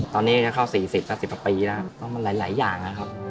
ตอนนี้ก็เข้า๔๐๓๐ประมาณปีแล้วมันหลายอย่างครับครับ